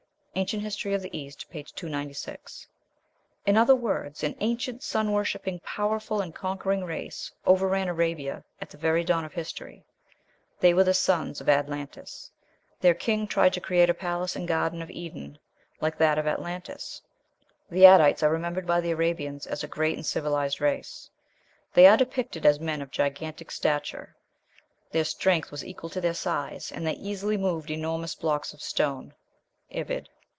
("Ancient History of the East," p. 296.) In other words, an ancient, sun worshipping, powerful, and conquering race overran Arabia at the very dawn of history; they were the sons of Adlantis: their king tried to create a palace and garden of Eden like that of Atlantis. The Adites are remembered by the Arabians as a great and civilized race. "They are depicted as men of gigantic stature; their strength was equal to their size, and they easily moved enormous blocks of stone." (Ibid.)